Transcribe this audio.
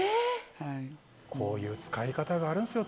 こういう使い方があるんですよ。